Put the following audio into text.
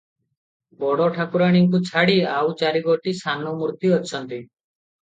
ବଡ଼ ଠାକୁରାଣୀଙ୍କୁ ଛାଡ଼ି ଆଉ ଚାରିଗୋଟି ସାନ ମୂର୍ତ୍ତି ଅଛନ୍ତି ।